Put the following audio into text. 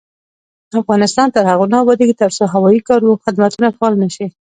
افغانستان تر هغو نه ابادیږي، ترڅو هوایي کارګو خدمتونه فعال نشي.